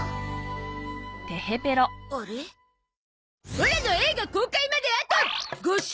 オラの映画公開まであと５週！